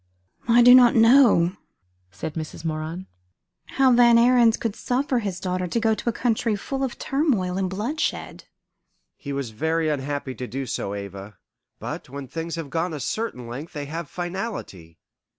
"I do not know," said Mrs. Moran, "how Van Ariens could suffer his daughter to go to a country full of turmoil and bloodshed." "He was very unhappy to do so, Ava. But when things have gone a certain length they have fatality.